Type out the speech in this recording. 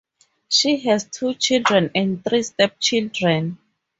She has two children and three stepchildren.